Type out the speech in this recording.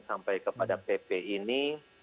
sampai kepada pp ini